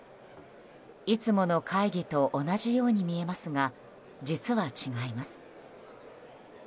いつもの会議と同じように見えますが実は違います。